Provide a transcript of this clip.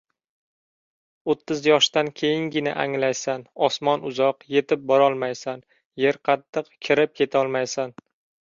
• O‘ttiz yoshdan keyingina anglaysan: osmon uzoq — yetib borolmaysan, yer qattiq — kirib ketolmaysan.